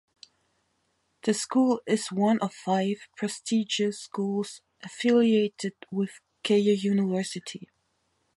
The school is one of five prestigious schools affiliated with Keio University.